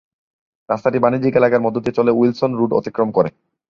রাস্তাটি বাণিজ্যিক এলাকার মধ্য দিয়ে চলে উইলসন রোড অতিক্রম করে।